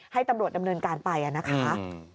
ให้ตำรวจดำเนินการไปนะคะ